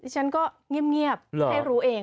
ฉันก็เงียบให้รู้เอง